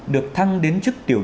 được thăng đến chức tiểu đội